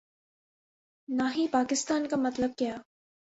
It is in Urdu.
نا ہی پاکستان کا مطلب کیا